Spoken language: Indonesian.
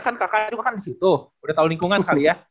kan kakak juga kan disitu udah tau lingkungan kali ya